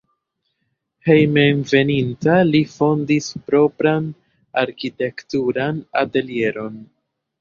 Hejmenveninta li fondis propran arkitekturan atelieron.